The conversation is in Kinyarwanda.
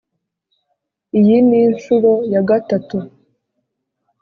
Iyi ni incuro ya gatatu